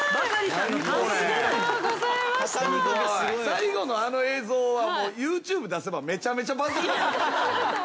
最後のあの映像はＹｏｕＴｕｂｅ出せばめちゃめちゃバズる。